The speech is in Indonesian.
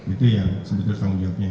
itu yang sebetulnya tanggung jawabnya